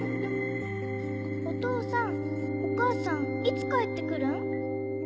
お父さんお母さんいつ帰って来るん？